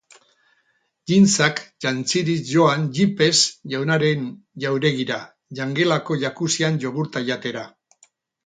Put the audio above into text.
Jeansak jantzirik joan jeepez jaunaren jauregira, jangelako jacuzzian jogurta jatera.